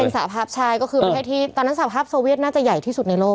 สาภาพใช่ก็คือประเทศที่ตอนนั้นสภาพโซเวียตน่าจะใหญ่ที่สุดในโลก